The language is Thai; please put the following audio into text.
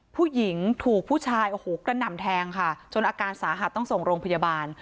ผู้หญิงถูกผู้ชายโอ้โหกระหน่ำแทงค่ะจนอาการสาหัสต้องส่งโรงพยาบาล